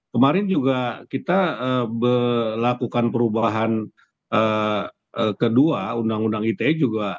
kemarin juga kita melakukan perubahan kedua undang undang ite juga